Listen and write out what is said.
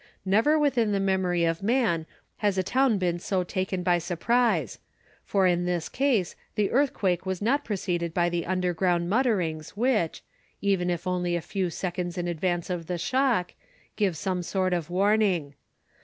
Never within the memory of man has a town been so taken by surprise; for in this case the earthquake was not preceded by the underground mutterings which, even if only a few seconds in advance of the shock, give some sort of warning.